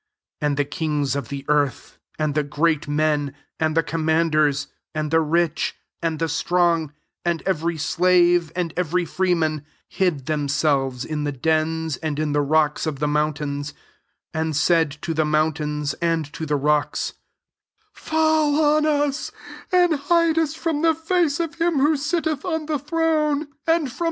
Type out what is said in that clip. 15 And the kings of the earth, and the great men, and the commanders, and the rich, and the strong, and every slave, and [every] freeman, hid them selves in the dens and in the rocks of the mountains ; 16 and said to the mountains and to ^e rocks, ^^Fall on us, and hide us from the face of him who sitteth on the throne, and firom • Seech, i.